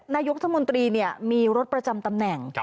นายกรัฐมนตรีมีรถประจำตำแหน่ง